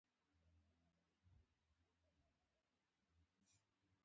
نیکه تل هڅه کوي چې خپل ژوند د نورو په پرتله ښه کړي.